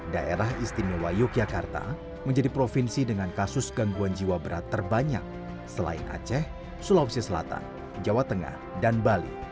daerah istimewa yogyakarta menjadi provinsi dengan kasus gangguan jiwa berat terbanyak selain aceh sulawesi selatan jawa tengah dan bali